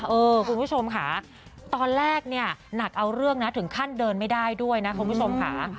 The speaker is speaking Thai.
คุณผู้ชมค่ะตอนแรกเนี่ยหนักเอาเรื่องนะถึงขั้นเดินไม่ได้ด้วยนะคุณผู้ชมค่ะ